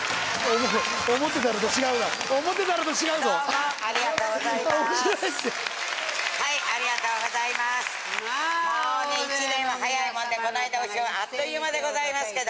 もうね１年は早いもんでこないだお正月あっという間でございますけど。